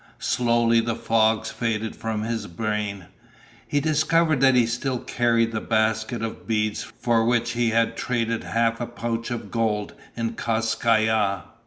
Slowly the fogs faded from his brain. He discovered that he still carried the basket of beads for which he had traded half a pouch of gold in Kas Kai Ya.